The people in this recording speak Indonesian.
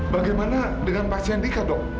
bagaimana dengan pasien nikah dok